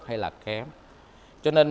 hay là kém cho nên